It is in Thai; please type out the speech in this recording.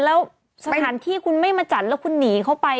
แล้วสถานที่คุณไม่มาจัดแล้วคุณหนีเข้าไป